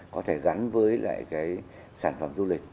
có thể gắn với lại cái sản phẩm du lịch